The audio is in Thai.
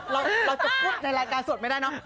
เราจะพูดในรายการสวดไม่ได้เนอะ